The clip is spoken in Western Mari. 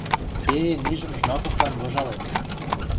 Теве мижӹм Жмаковлан выжаленӹт